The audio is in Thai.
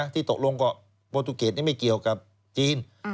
ที่ตกลงกับโปรตูเกตนี้ไม่เกี่ยวกับจีน